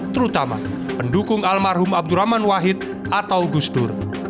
terutama pendukung almarhum abdurrahman wahid atau gus dur